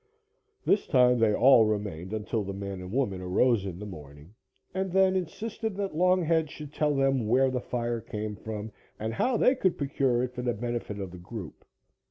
This time they all remained until the man and woman arose in the morning, and then insisted that Longhead should tell them where the fire came from and how they could procure it for the benefit of the group.